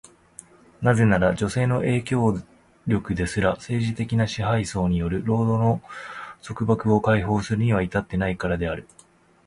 なぜなら、女性の影響力ですら、政治的な支配層による労働の束縛を解放するには至っていないからである。